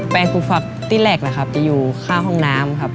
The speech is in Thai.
แปลงปลูกฟักที่แรกนะครับจะอยู่ข้าวห้องน้ำครับ